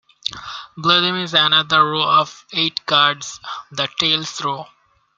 Below them is another row of eight cards, the "Tails" row.